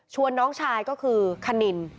ชวนน้องชายก็คือคนนิน